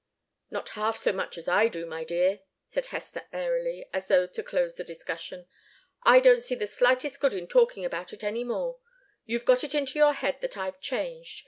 "Not half so much as I do, my dear," said Hester, airily, as though to close the discussion. "I don't see the slightest good in talking about it any more. You've got it into your head that I've changed.